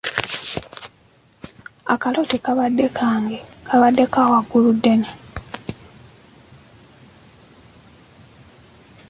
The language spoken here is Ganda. Akalo tekabadde kange kabadde ka Wagguluddene.